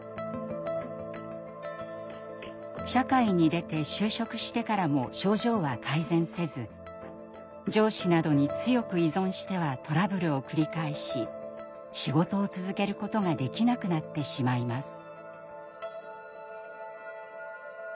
社会に出て就職してからも症状は改善せず上司などに強く依存してはトラブルを繰り返し仕事を続けることができなくなってしまいます。